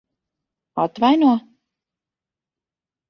Atvaino?